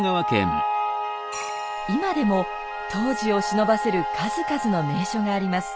今でも当時をしのばせる数々の名所があります。